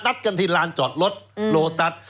นัดกันที่ลานจอดรถโลตัส